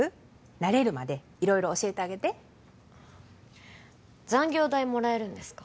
慣れるまで色々教えてあげて残業代もらえるんですか？